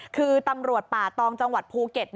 คือตำรวจป่าตองจังหวัดภูเก็ต